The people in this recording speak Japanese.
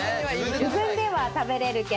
自分では食べれるけど。